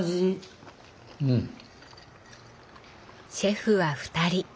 シェフは２人。